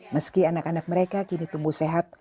meski anak anak mereka kini tumbuh sehat